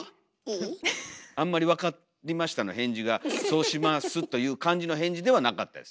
あんまり「分かりました」の返事がそうしますという感じの返事ではなかったです。